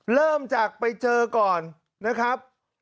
เริ่มจากไปเจอก่อนนะครับ